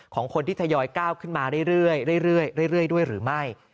ของคนที่ทยอยก้าวขึ้นมาเรื่อยด้วยหรือไม่